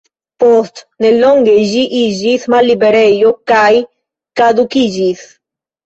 Post nelonge ĝi iĝis malliberejo kaj kadukiĝis.